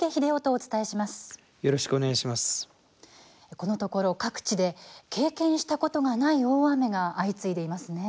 このところ、各地で経験したことがない大雨がはい。